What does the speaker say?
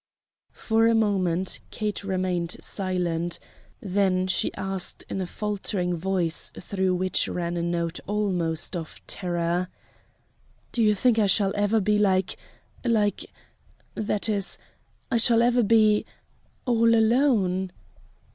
For a moment Kate remained silent, then she asked in a faltering voice through which ran a note almost of terror: "Do you think I shall ever be like like that is I shall ever be all alone?"